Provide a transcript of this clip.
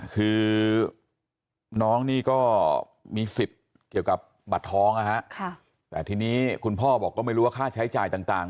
คือน้องนี่ก็มีสิทธิ์เกี่ยวกับบัตรท้องนะฮะแต่ทีนี้คุณพ่อบอกก็ไม่รู้ว่าค่าใช้จ่ายต่าง